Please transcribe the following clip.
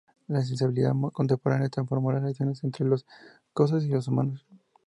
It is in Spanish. La sensibilidad contemporánea transformó las relaciones entre las cosas y los humanos.